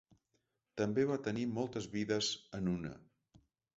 També va tenir moltes vides en una.